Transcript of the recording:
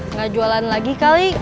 nggak jualan lagi kali